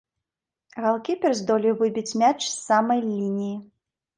Галкіпер здолеў выбіць мяч з самай лініі.